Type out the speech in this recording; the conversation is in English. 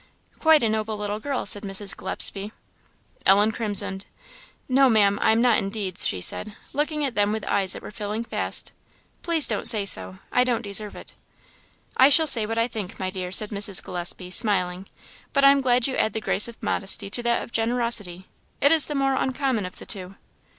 "Quite a noble little girl," said Mrs. Gillespie. Ellen crimsoned. "No, Ma'am, I am not, indeed," she said, looking at them with eyes that were filling fast; "please don't say so I don't deserve it." "I shall say what I think, my dear," said Mrs. Gillespie, smiling; "but I am glad you add the grace of modesty to that of generosity; it is the more uncommon of the two."